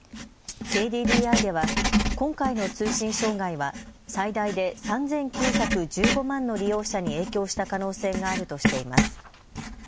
ＫＤＤＩでは今回の通信障害は最大で３９１５万の利用者に影響した可能性があるとしています。